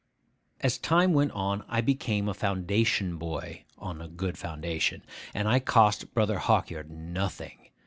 As time went on, I became a Foundation boy on a good foundation, and I cost Brother Hawkyard nothing.